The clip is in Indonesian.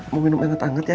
mau minum enet anget ya